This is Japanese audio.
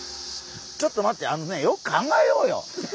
ちょっと待ってあのねよく考えようよ。